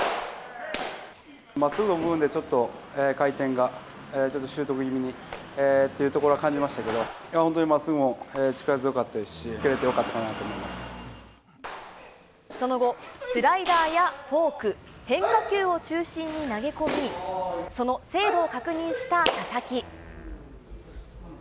まっすぐの部分でちょっと回転がちょっとシュート気味にっていうところは感じましたけど、本当にまっすぐも力強かったですし、受けれてよかったなと思いまその後、スライダーやフォーク、変化球を中心に投げ込み、その精度を確認した佐々木。